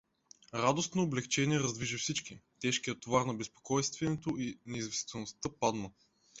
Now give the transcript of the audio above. Радостно облекчение раздвижи всички, тежкият товар на безпокойствнето и неизвестността падна.